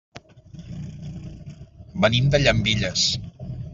Venim de Llambilles.